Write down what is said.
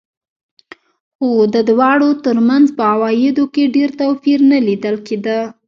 خو د دواړو ترمنځ په عوایدو کې ډېر توپیر نه لیدل کېده.